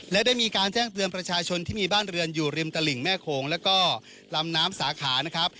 และได้มีการแจ้งเตือนประชาชนที่มีบ้านเรือนอยู่ริมตลิ่งแม่โขงแล้วก็ลำน้ำสาขานะครับ